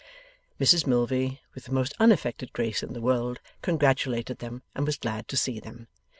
Mrs Milvey, with the most unaffected grace in the world, congratulated them, and was glad to see them.